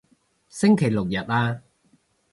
星期六日啊